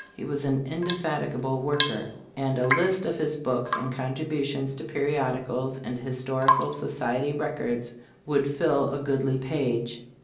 He was an indefatigable worker, and a list of his books and contribu tions to periodicals and historical society records would fill a goodly page.